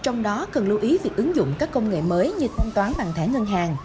trong đó cần lưu ý việc ứng dụng các công nghệ mới như thanh toán bằng thẻ ngân hàng